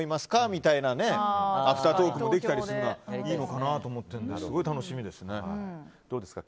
みたいなアフタートークもできたりするのはいいのかなと思っているのですごい楽しみですね。